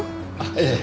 ええ。